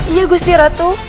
iya gusti ratu